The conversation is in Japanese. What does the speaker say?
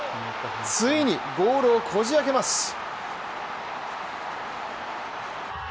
ついにゴールをこじあけます。